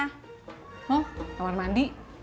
hah taman mandi